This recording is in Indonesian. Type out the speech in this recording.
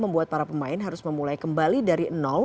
membuat para pemain harus memulai kembali dari nol